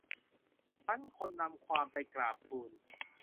ครั้นคนนำความไปกราบทูล